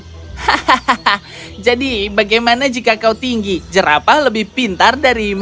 hahaha jadi bagaimana jika kau tinggi jerapah lebih pintar darimu